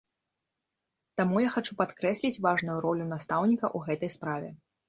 Таму я хачу падкрэсліць важную ролю настаўніка ў гэтай справе.